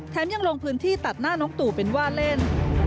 ยังลงพื้นที่ตัดหน้าน้องตู่เป็นว่าเล่น